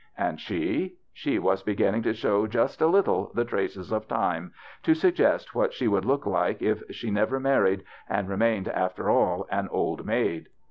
And she ? She was beginning to show just a little the traces of time, to suggest what she would look like if she never married and remained after all an old maid.